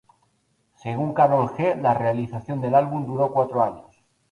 Según Karol G, la realización del álbum duró cuatro años.